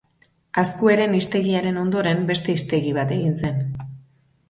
Azkueren hiztegiaren ondoren, beste hiztegi bat egin zen.